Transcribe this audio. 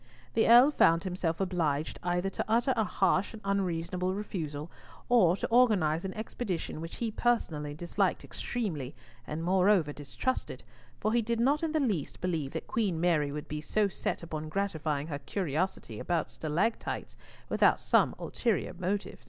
The Earl found himself obliged either to utter a harsh and unreasonable refusal, or to organise an expedition which he personally disliked extremely, and moreover distrusted, for he did not in the least believe that Queen Mary would be so set upon gratifying her curiosity about stalactites without some ulterior motive.